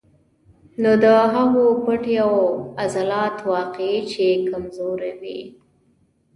نو د هغو پټې او عضلات واقعي چې کمزوري وي